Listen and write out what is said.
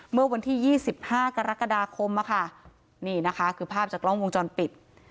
เมื่อวันที่๒๕กรกฎาคมนี่นะคะคือภาพจากกล้องวงจรปิด